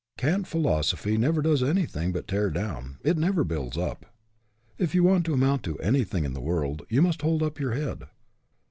" Can't " philosophy never does anything but tear down; it never builds up. If you want to amount to anything in the world, you must hold up your head.